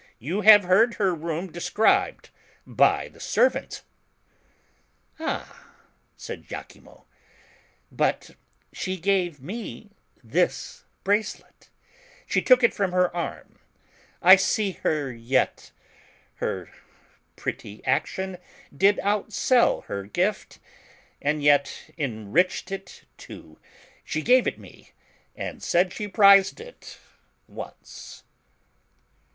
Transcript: You have heard her room described bv the servants." "Ah !" said lachimo, '*but she gave me this bracelet. She took it from her arm. I see her yet. Her pretty action did outsell her gift, and yet enriched it too. She gave it me, and said she prized it once."